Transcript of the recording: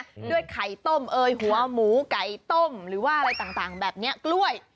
ที่วัดเนี่ยด้วยไข่ต้มหัวหมูไก่ต้มหรือว่าอะไรต่างแบบเนี่ยกล้วย